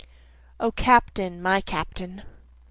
O Captain! My Captain!